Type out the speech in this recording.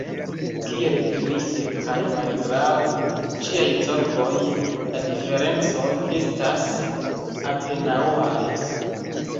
Kiel dirite, kaj malgraŭ ĉiaj zorgoj, la diferencoj estas apenaŭaj.